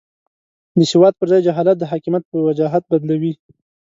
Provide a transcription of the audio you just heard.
د سواد پر ځای جهالت د حاکمیت په وجاهت بدلوي.